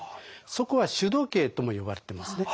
そこは主時計とも呼ばれてますね。